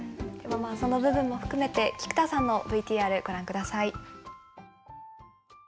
その部分も含めて菊田さんのＶＴＲご覧下さい。